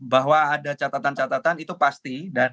bahwa ada catatan catatan itu pasti